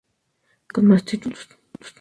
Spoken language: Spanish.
Campeonas con más títulos